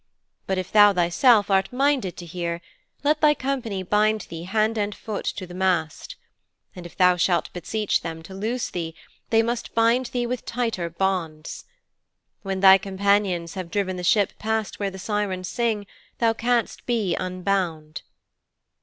But if thou thyself art minded to hear, let thy company bind thee hand and foot to the mast. And if thou shalt beseech them to loose thee, then must they bind thee with tighter bonds. When thy companions have driven the ship past where the Sirens sing then thou canst be unbound."'